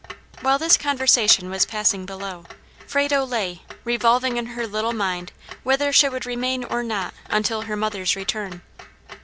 While this conversation was passing below, Frado lay, revolving in her little mind whether she would remain or not until her mother's return.